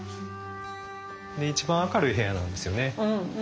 で一番明るい部屋なんですよね。